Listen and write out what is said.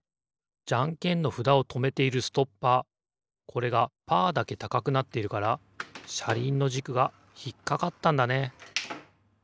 じゃんけんのふだをとめているストッパーこれがパーだけたかくなっているからしゃりんのじくがひっかかったんだね。